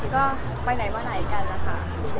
ก็ไปไหนมาไหนกันนะคะ